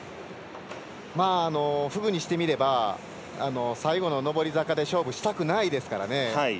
フグにしてみれば最後の上り坂で勝負したくないですからね。